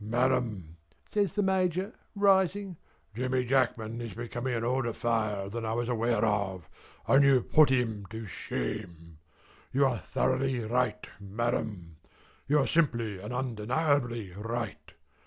"Madam" says the Major rising "Jemmy Jackman is becoming an older file than I was aware of, and you put him to shame. You are thoroughly right Madam. You are simply and undeniably right.